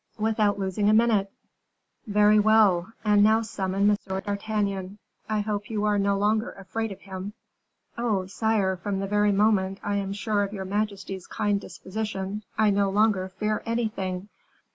"Without losing a minute." "Very well! and now summon M. d'Artagnan; I hope you are no longer afraid of him." "Oh, sire, from the very moment I am sure of your majesty's kind disposition, I no longer fear anything!"